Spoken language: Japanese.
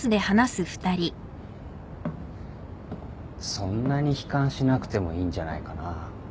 そんなに悲観しなくてもいいんじゃないかな。